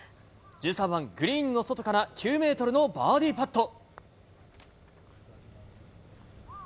１３番、グリーンの外から９メートルのバーディーパット。